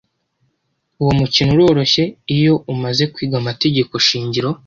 Uwo mukino uroroshye, iyo umaze kwiga amategeko shingiro.